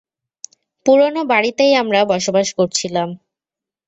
পুরনো বাড়িতেই আমরা বসবাস করছিলাম।